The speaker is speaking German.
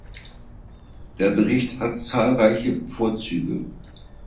Der Bericht hat zahlreiche Vorzüge.